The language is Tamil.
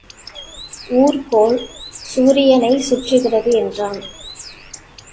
ஊர்க்கோள் சூரியனைச் சுற்றுகிறது என்றான்.